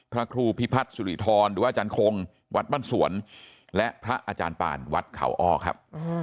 พระครูพิพัฒน์สุริธรหรือว่าอาจารย์คงวัดบ้านสวนและพระอาจารย์ปานวัดเขาอ้อครับ